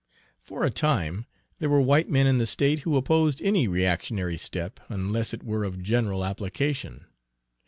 For a time there were white men in the state who opposed any reactionary step unless it were of general application.